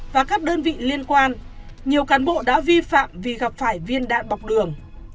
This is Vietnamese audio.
và các đơn vị liên quan nhiều cán bộ đã vi phạm vì gặp phải viên đạn bọc đường